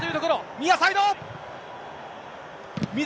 ニアサイド。